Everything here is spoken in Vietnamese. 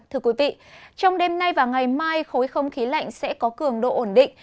thưa quý vị trong đêm nay và ngày mai khối không khí lạnh sẽ có cường độ ổn định